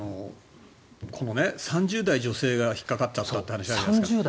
３０代女性が引っかかっちゃったって話があるじゃないですか。